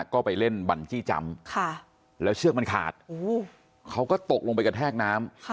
ก็ไปเล่นบรรจี้จำแล้วเชือกมันขาดเขาก็ตกลงไปกระแทกน้ำ